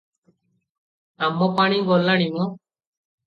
ଆମପାଣି ଗଲାଣି ମ!